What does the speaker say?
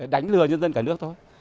đánh lừa nhân dân cả nước thôi